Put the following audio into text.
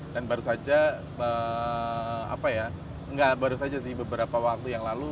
dan baru saja apa ya nggak baru saja sih beberapa waktu yang lalu